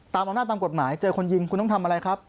ตามอำนาจตามกฎหมายเจอคนยิงคุณต้องทำอะไรครับ